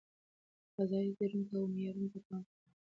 فضايي څېړونکو اوه معیارونه په پام کې نیولي.